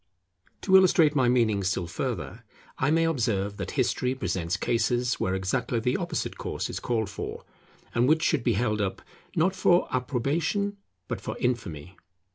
To illustrate my meaning still further, I may observe that history presents cases where exactly the opposite course is called for, and which should be held up not for approbation but for infamy.